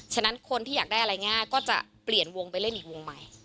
ฉะนั้นคนที่อยากได้อะไรง่ายก็จะเปลี่ยนวงไปเล่นอีกวงใหม่